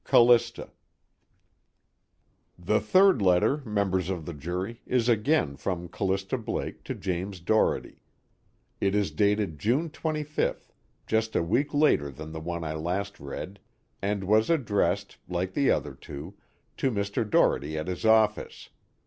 "Callista." The third letter, members of the jury, is again from Callista Blake to James Doherty. It is dated June 25th, just a week later than the one I last read, and was addressed, like the other two, to Mr. Doherty at his office.